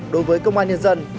đối với công an nhân dân